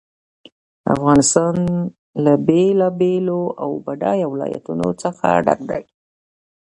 افغانستان له بېلابېلو او بډایه ولایتونو څخه ډک دی.